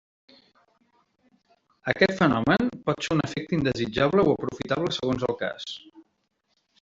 Aquest fenomen pot ser un efecte indesitjable o aprofitable segons el cas.